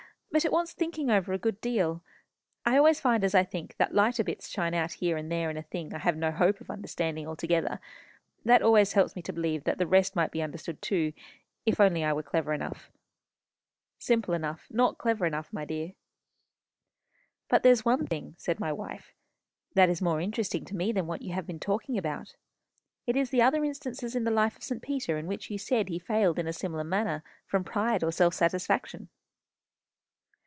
But it wants thinking over a good deal. I always find as I think, that lighter bits shine out here and there in a thing I have no hope of understanding altogether. That always helps me to believe that the rest might be understood too, if I were only clever enough." "Simple enough, not clever enough, my dear." "But there's one thing," said my wife, "that is more interesting to me than what you have been talking about. It is the other instances in the life of St. Peter in which you said he failed in a similar manner from pride or self satisfaction."